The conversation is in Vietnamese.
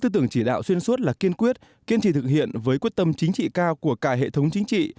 tư tưởng chỉ đạo xuyên suốt là kiên quyết kiên trì thực hiện với quyết tâm chính trị cao của cả hệ thống chính trị